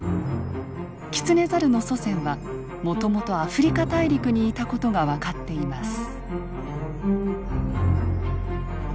キツネザルの祖先はもともとアフリカ大陸にいた事が分かっています。